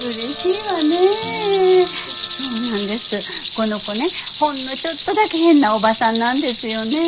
この子ねほんのちょっとだけ変なおばさんなんですよねぇ。